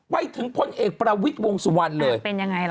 ไปถึงพลเอกประวิทย์วงสุวรรณเลยเป็นยังไงล่ะ